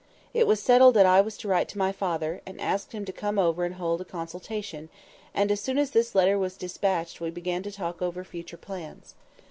It was settled that I was to write to my father, and ask him to come over and hold a consultation, and as soon as this letter was despatched we began to talk over future plans.